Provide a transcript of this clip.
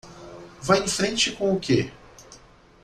Vá em frente com o que?